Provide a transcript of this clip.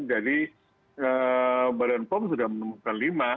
jadi badan pom sudah menemukan lima